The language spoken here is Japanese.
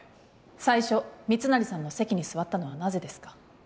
最初密成さんの席に座ったのはなぜですか？